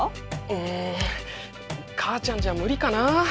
うん母ちゃんじゃ無理かなあ。